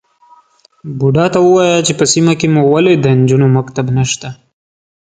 _بوډا ته ووايه چې په سيمه کې مو ولې د نجونو مکتب نشته؟